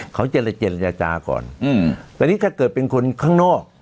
เขาเจรจาก่อนอืมแต่นี่ถ้าเกิดเป็นคนข้างนอก